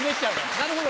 なるほど。